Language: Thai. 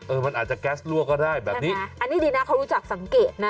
มันอาจจะแก๊สรั่วก็ได้แบบนี้อันนี้ดีนะเขารู้จักสังเกตนะ